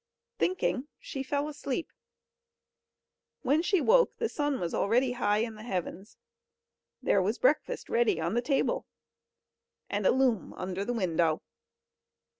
Thinking, she fell asleep. When she woke the sun was already high in the heavens. There was breakfast ready on the table, and a loom under the window.